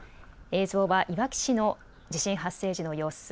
映像はいわき市の地震発生時の様子。